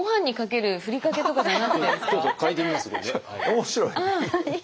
面白い。